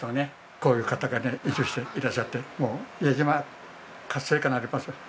こういう方がね移住していらっしゃってもう伊江島活性化なります。